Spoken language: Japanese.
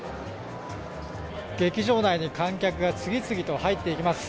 劇場内に観客が次々と入っていきます。